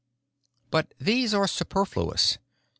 But these are superfluous.